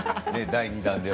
第２弾で。